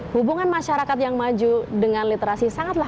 hubungan masyarakat yang maju dengan literasi sangat rendah